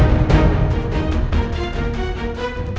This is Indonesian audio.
fyi kok udah capain lagi